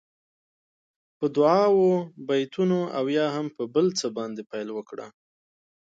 په دعاوو، بېتونو او یا هم په بل څه باندې پیل وکړه.